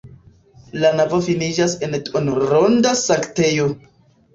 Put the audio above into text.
La navo finiĝas en duonronda sanktejo.